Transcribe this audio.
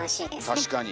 確かに。